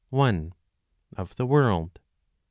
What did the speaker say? (Of the World), 40.